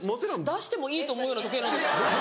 出してもいいと思うような時計なんですか？